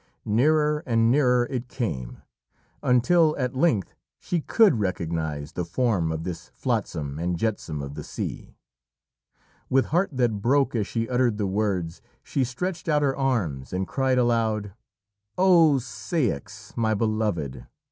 Nearer and nearer it came, until at length she could recognise the form of this flotsam and jetsam of the sea. With heart that broke as she uttered the words, she stretched out her arms and cried aloud: "O Ceyx! my Beloved!